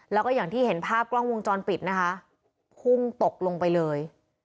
แล้วก็อย่างที่เห็นภาพกล้องวงจรปิดนะคะพุ่งตกลงไปเลย